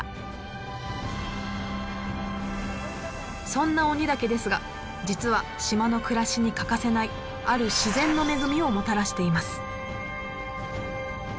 そんな鬼岳ですが実は島の暮らしに欠かせないある自然の恵みをもたらしています。